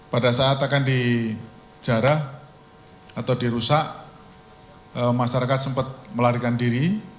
pada saat akan dijarah atau dirusak masyarakat sempat melarikan diri